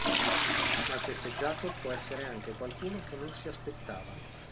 Ma il festeggiato può essere anche qualcuno che non si aspettava!